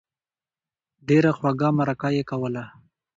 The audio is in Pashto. ډېره خوږه مرکه یې کوله.